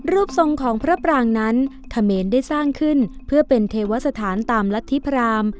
ทรงของพระปรางนั้นเขมรได้สร้างขึ้นเพื่อเป็นเทวสถานตามรัฐธิพราม